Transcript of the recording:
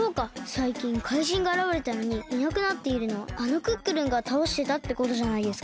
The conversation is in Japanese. さいきん怪人があらわれたのにいなくなっているのあのクックルンがたおしてたってことじゃないですか。